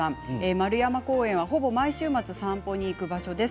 円山公園は、ほぼ毎週末散歩に行く場所です。